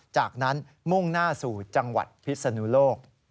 จากนั้นมุ่งหน้าสู่จังหวัดพิศนุโลก